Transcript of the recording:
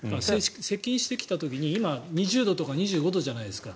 接近してきた時今、２２度とか２５度じゃないですか。